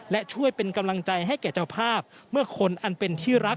และช่วยเป็นกำลังใจให้แก่เจ้าภาพเมื่อคนอันเป็นที่รัก